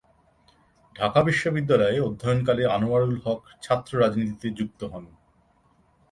ঢাকা বিশ্ববিদ্যালয়ে অধ্যয়নকালে আনোয়ারুল হক ছাত্র রাজনীতিতে যুক্ত হন।